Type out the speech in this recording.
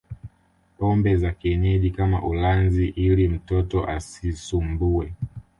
pombe za kienyeji kama ulanzi ili mtoto asisumbue